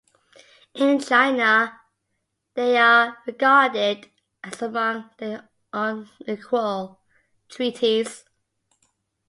In China, they are regarded as among the unequal treaties.